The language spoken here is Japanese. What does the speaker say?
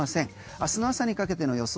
明日の朝にかけての予想